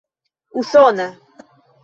usona